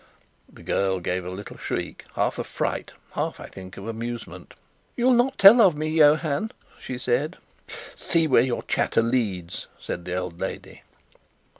The girl gave a little shriek, half of fright half, I think, of amusement. "You'll not tell of me, Johann?" she said. "See where your chatter leads," said the old lady.